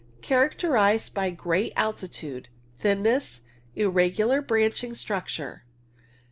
Characterized by great altitude, thinness, ir regular branching structure.